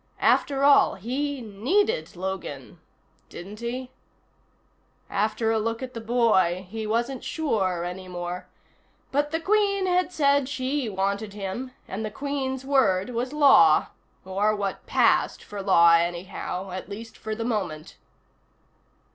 After all, he needed Logan, didn't he? After a look at the boy, he wasn't sure any more but the Queen had said she wanted him, and the Queen's word was law. Or what passed for law, anyhow, at least for the moment.